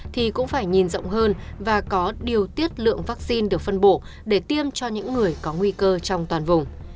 thì cũng phải nhìn rộng hơn và có điều tiết lượng vaccine được phân bổ để tiêm cho những người có nguy cơ trong toàn vùng